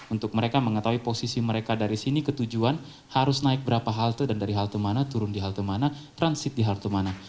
untuk mereka mengetahui posisi mereka dari sini ketujuan harus naik berapa halte dan dari halte mana turun di halte mana transit di halte mana